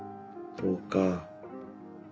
そうか。